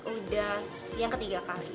udah yang ketiga kali